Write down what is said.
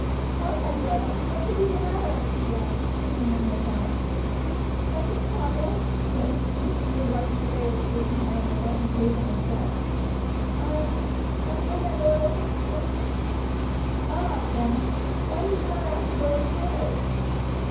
"Why, my darling, what can be the matter?" he asked, taking her in his arms. "Nothing, papa," she said, hastily wiping away her tears and hiding her blushing face on his breast "I I believe I'm a little homesick." "Ah, then, why did you not ask to go with the others?"